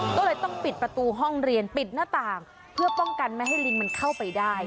ก็เลยต้องปิดประตูห้องเรียนปิดหน้าต่างเพื่อป้องกันไม่ให้ลิงมันเข้าไปได้